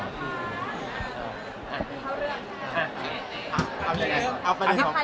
เอาไปใดของไทยก่อน